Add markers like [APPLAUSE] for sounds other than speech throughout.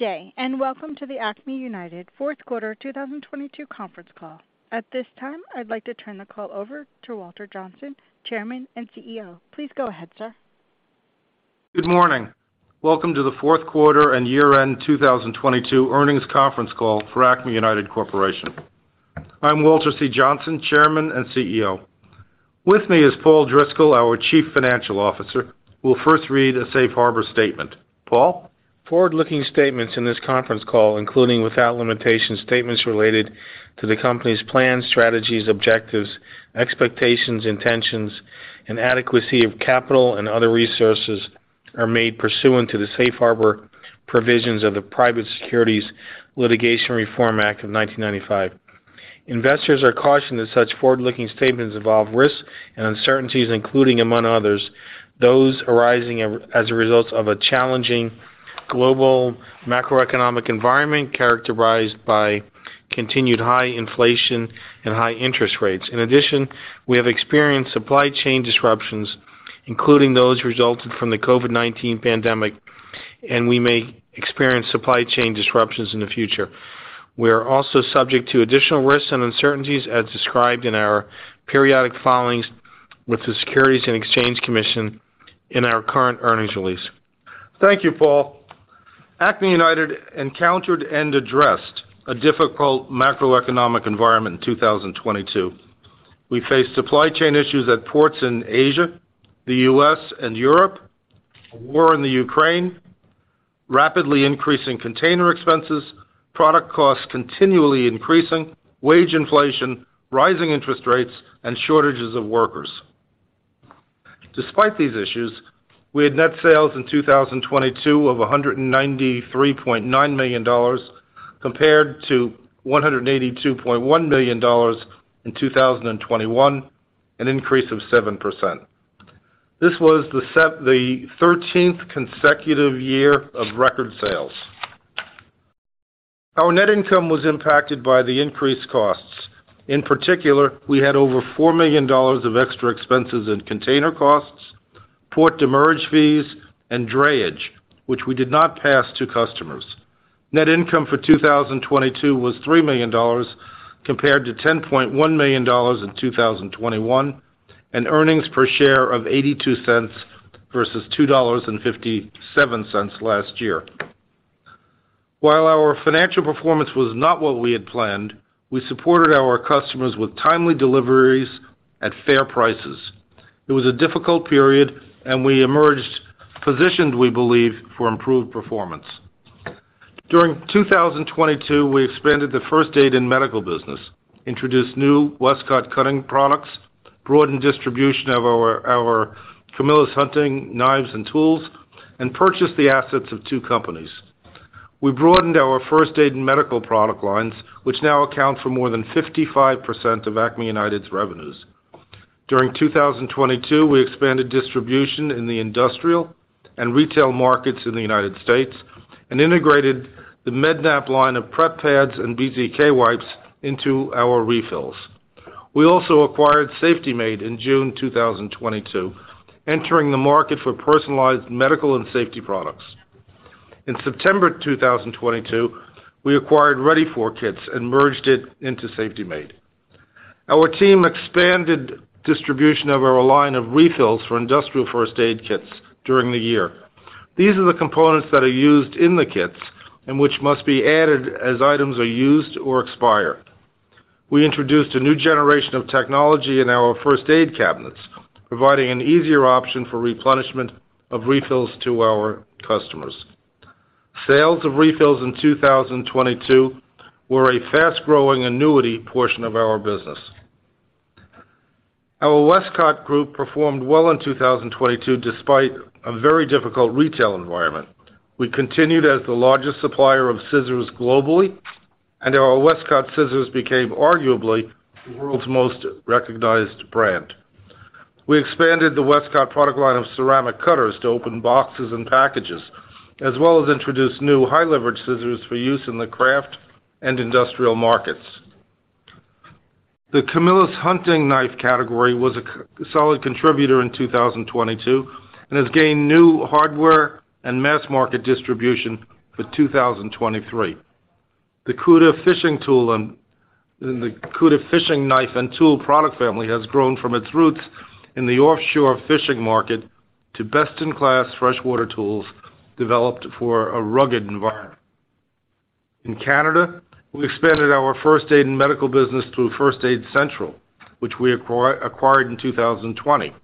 Good day. Welcome to the Acme United Fourth Quarter 2022 Conference Call. At this time, I'd like to turn the call over to Walter Johnsen, Chairman and CEO. Please go ahead, sir. Good morning. Welcome to the fourth quarter and year-end 2022 earnings conference call for Acme United Corporation. I'm Walter C. Johnsen, Chairman and CEO. With me is Paul Driscoll, our Chief Financial Officer, who will first read a safe harbor statement. Paul? Forward-looking statements in this conference call, including without limitation, statements related to the company's plans, strategies, objectives, expectations, intentions, and adequacy of capital and other resources, are made pursuant to the safe harbor provisions of the Private Securities Litigation Reform Act of 1995. Investors are cautioned that such forward-looking statements involve risks and uncertainties, including, among others, those arising as a result of a challenging global macroeconomic environment characterized by continued high inflation and high interest rates. We have experienced supply chain disruptions, including those resulted from the COVID-19 pandemic, and we may experience supply chain disruptions in the future. We are also subject to additional risks and uncertainties as described in our periodic filings with the Securities and Exchange Commission in our current earnings release. Thank you, Paul. Acme United encountered and addressed a difficult macroeconomic environment in 2022. We faced supply chain issues at ports in Asia, the US, and Europe, a war in the Ukraine, rapidly increasing container expenses, product costs continually increasing, wage inflation, rising interest rates, and shortages of workers. Despite these issues, we had net sales in 2022 of $193.9 million, compared to $182.1 million in 2021, an increase of 7%. This was the 13th consecutive year of record sales. Our net income was impacted by the increased costs. In particular, we had over $4 million of extra expenses in container costs, port demurrage fees, and drayage, which we did not pass to customers. Net income for 2022 was $3 million compared to $10.1 million in 2021, and earnings per share of $0.82 versus $2.57 last year. While our financial performance was not what we had planned, we supported our customers with timely deliveries at fair prices. It was a difficult period, we emerged positioned, we believe, for improved performance. During 2022, we expanded the first aid and medical business, introduced new Westcott cutting products, broadened distribution of our Camillus hunting knives and tools, and purchased the assets of two companies. We broadened our first aid and medical product lines, which now account for more than 55% of Acme United's revenues. During 2022, we expanded distribution in the industrial and retail markets in the United States and integrated the Med-Nap line of prep pads and BZK wipes into our refills. We also acquired Safety Made in June 2022, entering the market for personalized medical and safety products. In September 2022, we acquired Ready 4 Kits and merged it into Safety Made. Our team expanded distribution of our line of refills for industrial first aid kits during the year. These are the components that are used in the kits and which must be added as items are used or expire. We introduced a new generation of technology in our first aid cabinets, providing an easier option for replenishment of refills to our customers. Sales of refills in 2022 were a fast-growing annuity portion of our business. Our Westcott group performed well in 2022 despite a very difficult retail environment. We continued as the largest supplier of scissors globally, and our Westcott scissors became arguably the world's most recognized brand. We expanded the Westcott product line of ceramic cutters to open boxes and packages, as well as introduced new high-leverage scissors for use in the craft and industrial markets. The Camillus hunting knife category was solid contributor in 2022 and has gained new hardware and mass market distribution for 2023. The Cuda fishing knife and tool product family has grown from its roots in the offshore fishing market to best-in-class freshwater tools developed for a rugged environment. In Canada, we expanded our first aid and medical business through First Aid Central, which we acquired in 2020.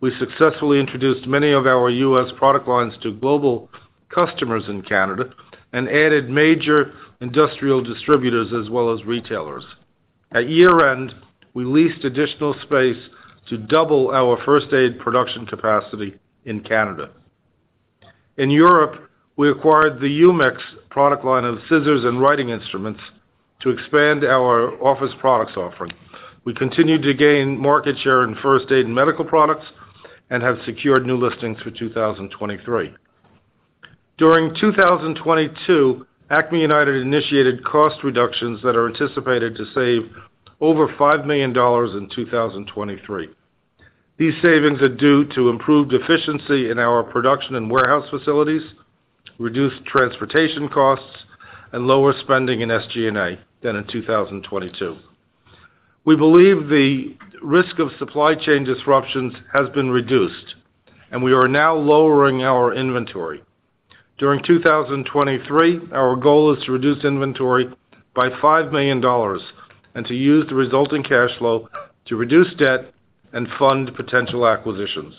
We successfully introduced many of our US product lines to global customers in Canada and added major industrial distributors as well as retailers. At year-end, we leased additional space to double our first aid production capacity in Canada. In Europe, we acquired the Eumex product line of scissors and writing instruments to expand our office products offering. We continued to gain market share in first aid and medical products and have secured new listings for 2023. During 2022, Acme United initiated cost reductions that are anticipated to save over $5 million in 2023. These savings are due to improved efficiency in our production and warehouse facilities, reduced transportation costs, and lower spending in SG&A than in 2022. We believe the risk of supply chain disruptions has been reduced, and we are now lowering our inventory. During 2023, our goal is to reduce inventory by $5 million and to use the resulting cash flow to reduce debt and fund potential acquisitions.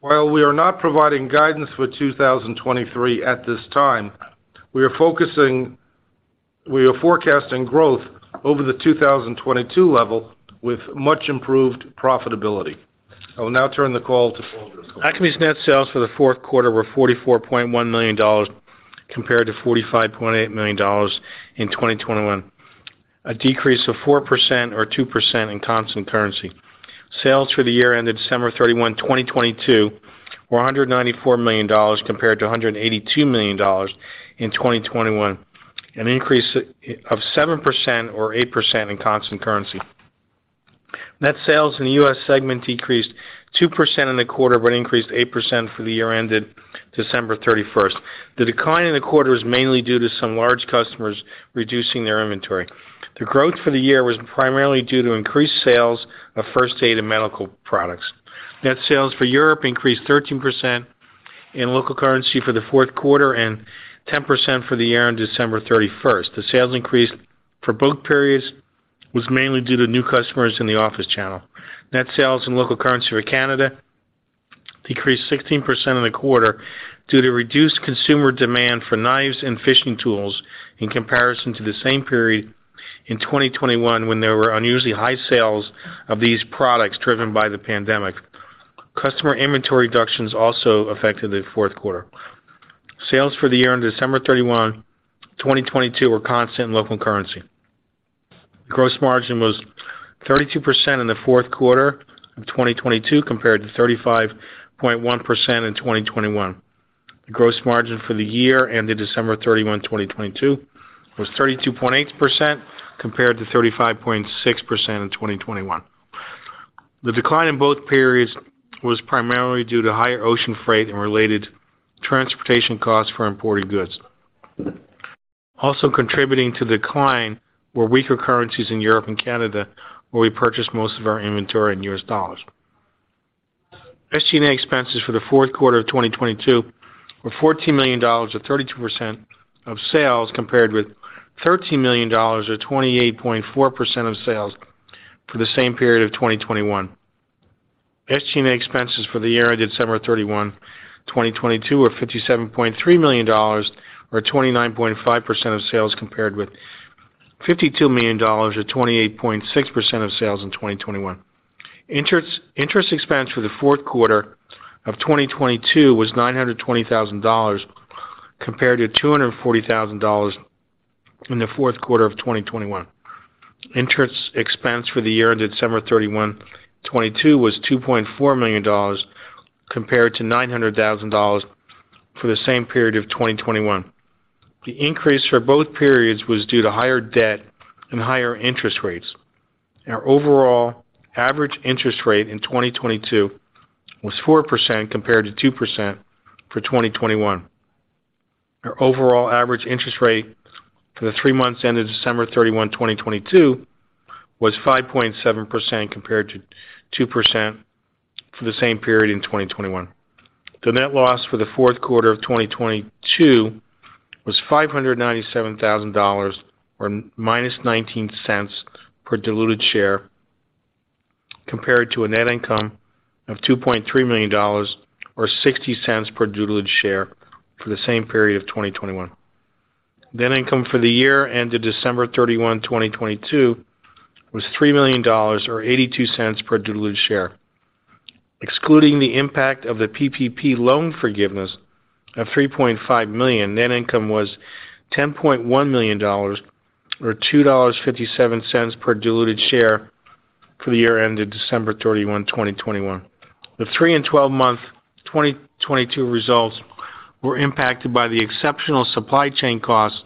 While we are not providing guidance for 2023 at this time, we are forecasting growth over the 2022 level with much improved profitability. I will now turn the call to Paul. Acme's net sales for the fourth quarter were $44.1 million compared to $45.8 million in 2021, a decrease of 4% or 2% in constant currency. Sales for the year ended 31 December 2022 were $194 million compared to $182 million in 2021, an increase of 7% or 8% in constant currency. Net sales in the U.S. segment decreased 2% in the quarter but increased 8% for the year ended 31 December 2022. The decline in the quarter was mainly due to some large customers reducing their inventory. The growth for the year was primarily due to increased sales of first aid and medical products. Net sales for Europe increased 13% in local currency for the fourth quarter and 10% for the year on 31 December 2022. The sales increase for both periods was mainly due to new customers in the office channel. Net sales in local currency for Canada decreased 16% in the quarter due to reduced consumer demand for knives and fishing tools in comparison to the same period in 2021, when there were unusually high sales of these products driven by the pandemic. Customer inventory reductions also affected the fourth quarter. Sales for the year on 31 December 2022 were constant in local currency. Gross margin was 32% in the fourth quarter of 2022 compared to 35.1% in 2021. The gross margin for the year ended 31 December 2022 was 32.8% compared to 35.6% in 2021. The decline in both periods was primarily due to higher ocean freight and related transportation costs for imported goods. Contributing to decline were weaker currencies in Europe and Canada, where we purchase most of our inventory in US dollars. SG&A expenses for the fourth quarter of 2022 were $14 million, or 32% of sales, compared with $13 million, or 28.4% of sales, for the same period of 2021. SG&A expenses for the year ended 31 December 2022 were $57.3 million, or 29.5% of sales, compared with $52 million or 28.6% of sales in 2021. Interest expense for the fourth quarter of 2022 was $920,000 compared to $240,000 in the fourth quarter of 2021. Interest expense for the year ended 31 December 2022 was $2.4 million compared to $900,000 for the same period of 2021. The increase for both periods was due to higher debt and higher interest rates. Our overall average interest rate in 2022 was 4% compared to 2% for 2021. Our overall average interest rate for the three months ended 31 December 2022 was 5.7% compared to 2% for the same period in 2021. The net loss for the fourth quarter of 2022 was $597,000 or -$0.19 per diluted share, compared to a net income of $2.3 million or $0.60 per diluted share for the same period of 2021. Net income for the year ended 31 December 2022 was $3 million or $0.82 per diluted share. Excluding the impact of the PPP loan forgiveness of $3.5 million, net income was $10.1 million or $2.57 per diluted share for the year ended 31 December 2021. The three and 12-month 2022 results were impacted by the exceptional supply chain costs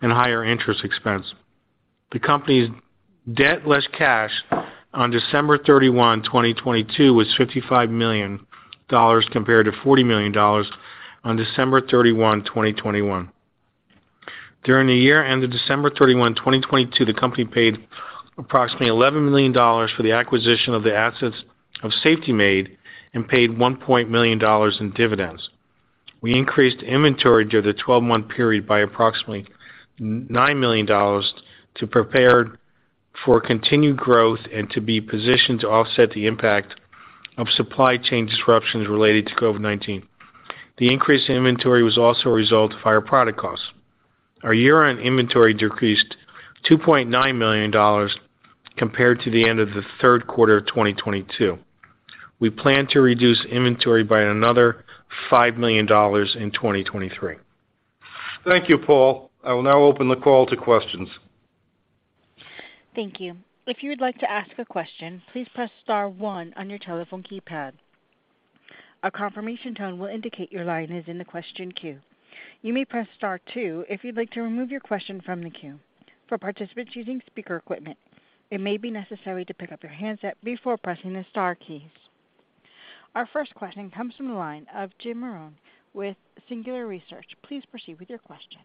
and higher interest expense. The company's debt less cash on 31 December 2022 was $55 million compared to $40 million on 31 December 2021. During the year ended 31 December 2022, the company paid approximately $11 million for the acquisition of the assets of Safety Made and paid $1. million in dividends. We increased inventory during the 12-month period by approximately $9 million to prepare for continued growth and to be positioned to offset the impact of supply chain disruptions related to COVID-19. The increase in inventory was also a result of higher product costs. Our year-end inventory decreased $2.9 million compared to the end of the third quarter of 2022. We plan to reduce inventory by another $5 million in 2023. Thank you, Paul. I will now open the call to questions. Thank you. If you would like to ask a question, please press star one on your telephone keypad. A confirmation tone will indicate your line is in the question queue. You may press star two if you'd like to remove your question from the queue. For participants using speaker equipment, it may be necessary to pick up your handset before pressing the star keys. Our first question comes from the line of Jim Marrone with Singular Research. Please proceed with your question.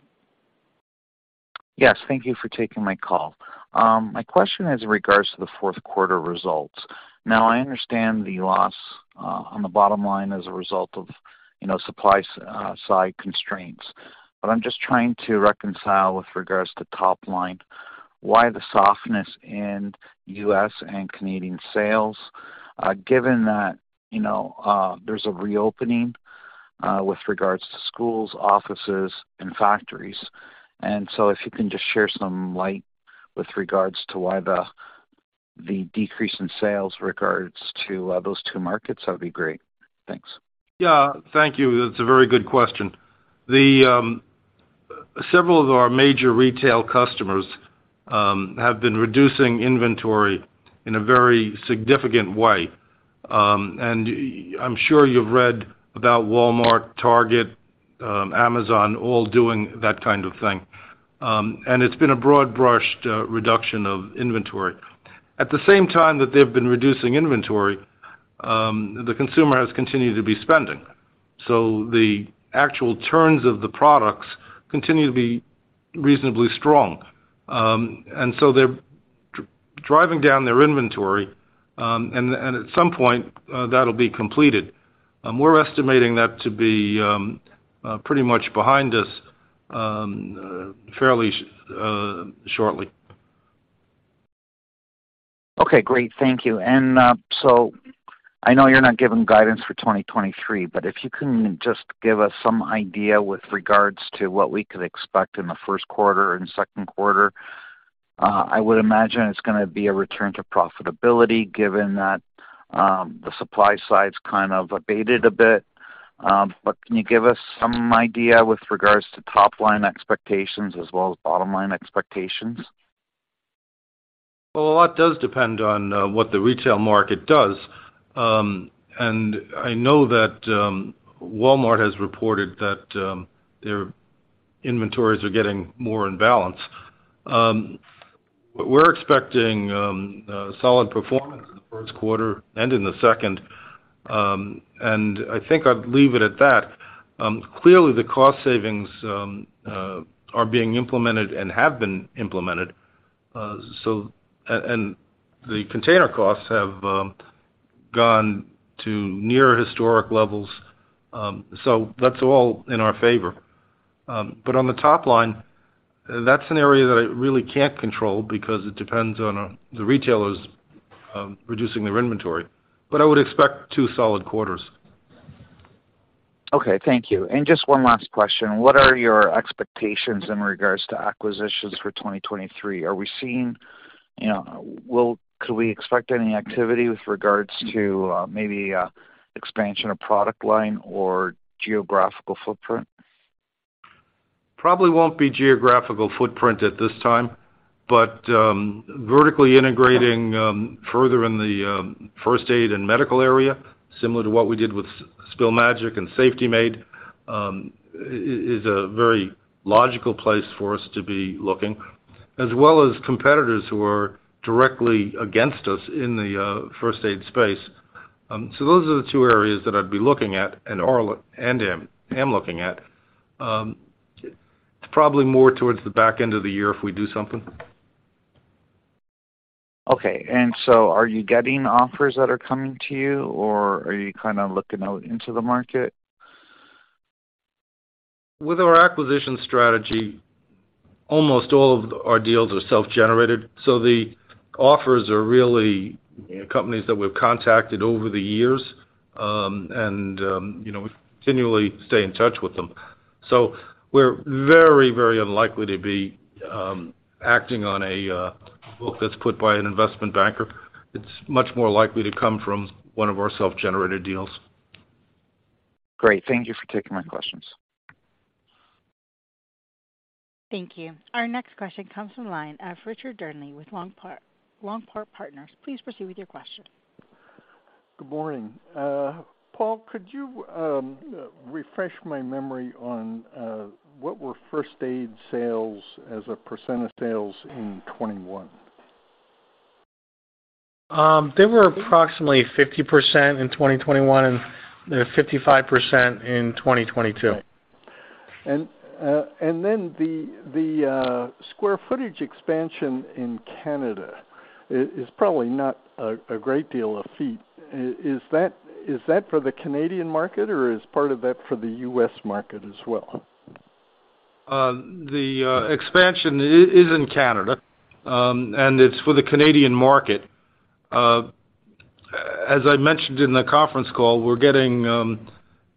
Yes, thank you for taking my call. My question is in regards to the fourth quarter results. Now, I understand the loss on the bottom line as a result of, you know, supply side constraints, but I'm just trying to reconcile with regards to top line, why the softness in US and Canadian sales, given that, you know, there's a reopening with regards to schools, offices and factories. If you can just share some light with regards to why the decrease in sales regards to those two markets, that would be great. Thanks. Yeah. Thank you. That's a very good question. The, several of our major retail customers, have been reducing inventory in a very significant way. And I'm sure you've read about Walmart, Target, Amazon all doing that kind of thing. And it's been a broad brushed reduction of inventory. At the same time that they've been reducing inventory, the consumer has continued to be spending. The actual turns of the products continue to be reasonably strong. They're driving down their inventory, and at some point, that'll be completed. We're estimating that to be pretty much behind us fairly shortly. Okay, great. Thank you. I know you're not giving guidance for 2023, but if you can just give us some idea with regards to what we could expect in the first quarter and second quarter. I would imagine it's gonna be a return to profitability given that the supply side's kind of abated a bit. Can you give us some idea with regards to top line expectations as well as bottom line expectations? Well, a lot does depend on what the retail market does. I know that Walmart has reported that their inventories are getting more in balance. We're expecting a solid performance in the first quarter and in the second, I think I'd leave it at that. Clearly the cost savings are being implemented and have been implemented. The container costs have gone to near historic levels, that's all in our favor. On the top line, that's an area that I really can't control because it depends on the retailers reducing their inventory. I would expect two solid quarters. Okay, thank you. Just one last question. What are your expectations in regards to acquisitions for 2023? Are we seeing, you know, could we expect any activity with regards to, maybe, expansion of product line or geographical footprint? Probably won't be geographical footprint at this time, vertically integrating further in the First Aid and Medical area, similar to what we did with Spill Magic and Safety Made, is a very logical place for us to be looking, as well as competitors who are directly against us in the first aid space. Those are the two areas that I'd be looking at and are looking at. It's probably more towards the back end of the year if we do something. Okay. Are you getting offers that are coming to you or are you kind of looking out into the market? With our acquisition strategy, almost all of our deals are self-generated. The offers are really companies that we've contacted over the years, you know, and we continually stay in touch with them. We're very, very unlikely to be acting on a book that's put by an investment banker. It's much more likely to come from one of our self-generated deals. Great. Thank you for taking my questions. Thank you. Our next question comes from line of Richard Dearnley with Longport Partners. Please proceed with your question. Good morning. Paul, could you refresh my memory on what were first aid sales as a percent of sales in 2021? They were approximately 50% in 2021 and 55% in 2022. The square footage expansion in Canada is probably not a great deal of feet. Is that for the Canadian market or is part of that for the US market as well? The expansion is in Canada, and it's for the Canadian market. As I mentioned in the conference call, we're getting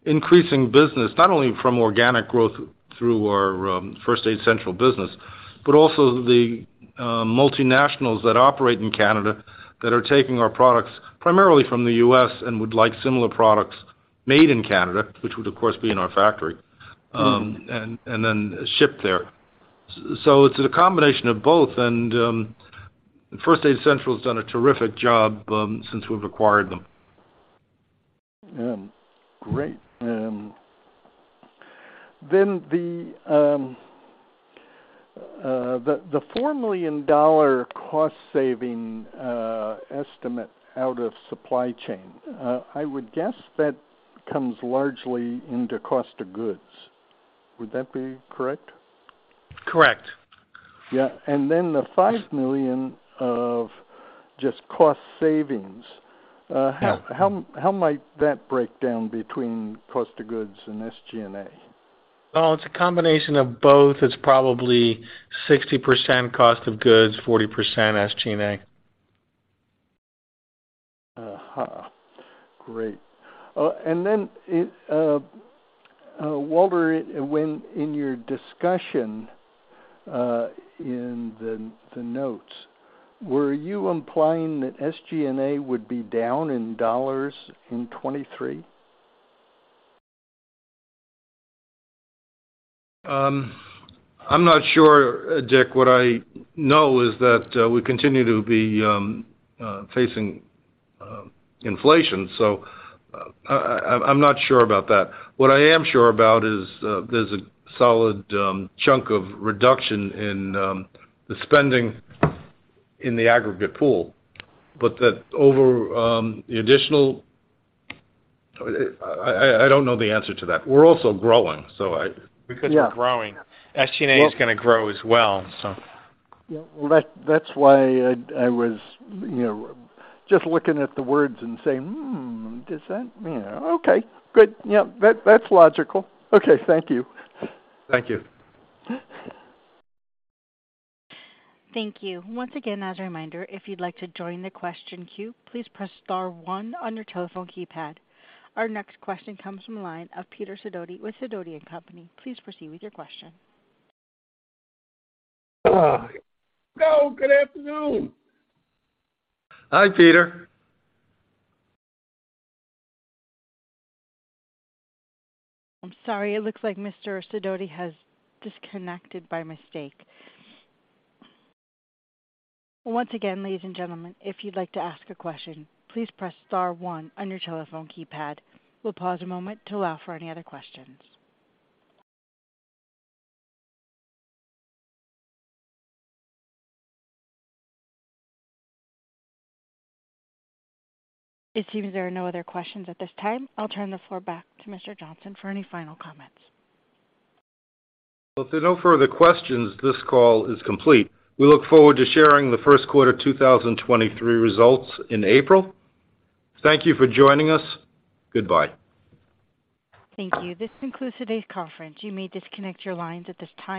increasing business, not only from organic growth through our First Aid Central business, but also the multinationals that operate in Canada that are taking our products primarily from the US and would like similar products made in Canada, which would of course be in our factory. Mm-hmm. And then shipped there. It's a combination of both. First Aid Central has done a terrific job since we've acquired them. Great. The $4 million cost saving estimate out of supply chain, I would guess that comes largely into cost of goods. Would that be correct? Correct. Yeah. Then the $5 million of just cost savings. Yeah. How might that break down between cost of goods and SG&A? Well, it's a combination of both. It's probably 60% cost of goods, 40% SG&A. Great. Walter, when in your discussion, in the notes, were you implying that SG&A would be down in dollars in 2023? I'm not sure, Richard. What I know is that we continue to be facing inflation, so I'm not sure about that. What I am sure about is there's a solid chunk of reduction in the spending in the aggregate pool, but that over the additional... I don't know the answer to that. We're also growing, so I... [CROSSTALK] Yeah. We're growing, SG&A is gonna grow as well. Yeah. Well, that's why I was, you know, just looking at the words and saying, "Hmm, does that... you know. Okay. Good. Yeah. That, that's logical." Okay. Thank you. Thank you. Thank you. Once again, as a reminder, if you'd like to join the question queue, please press star one on your telephone keypad. Our next question comes from the line of Peter Sidoti with Sidoti & Company. Please proceed with your question. Hello, good afternoon. Hi, Peter. I'm sorry. It looks like Mr. Sidoti has disconnected by mistake. Once again, ladies and gentlemen, if you'd like to ask a question, please press star one on your telephone keypad. We'll pause a moment to allow for any other questions. It seems there are no other questions at this time. I'll turn the floor back to Mr. Johnsen for any final comments. If there are no further questions, this call is complete. We look forward to sharing the first quarter 2023 results in April. Thank you for joining us. Goodbye. Thank you. This concludes today's conference. You may disconnect your lines at this time.